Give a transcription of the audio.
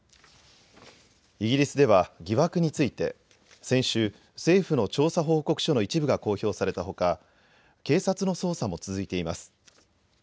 イギリスでは疑惑について先週、政府の調査報告書の一部が公表されたほか警察の捜査も続いています。